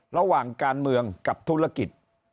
ระหว่างการเมืองกับธุรกิจ